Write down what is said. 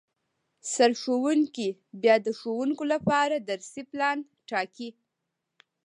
سرښوونکی بیا د ښوونکو لپاره درسي پلان ټاکي